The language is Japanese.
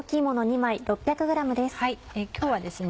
今日はですね